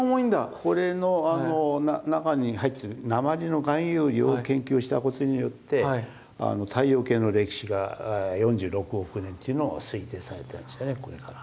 これの中に入ってる鉛の含有量を研究したことによって太陽系の歴史が４６億年というのを推定されてるんですよねこれから。